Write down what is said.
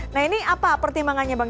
nah ini apa pertimbangannya bang